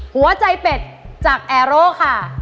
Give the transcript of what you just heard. หัวใจเป็ดจากแอร์โร่ค่ะ